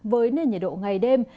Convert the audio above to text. với nền nhiệt độ ngày đêm